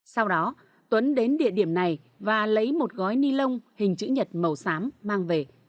sau đó tuấn đến địa điểm này và lấy một gói ni lông hình chữ nhật màu xám mang về